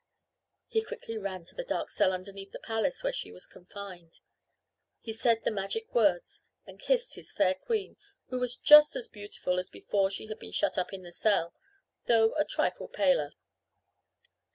He quickly ran to the dark cell underneath the palace where she was confined. He said the magic words and kissed his fair queen who was just as beautiful as before she had been shut up in the cell, though a trifle paler.